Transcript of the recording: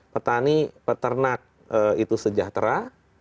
petani peternak itu sejahtera